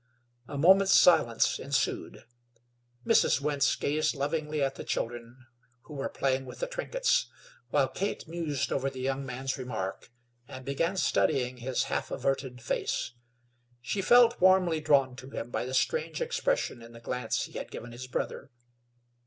A moment's silence ensued. Mrs. Wentz gazed lovingly at the children who were playing with the trinkets; while Kate mused over the young man's remark, and began studying his, half averted face. She felt warmly drawn to him by the strange expression in the glance he had given his brother.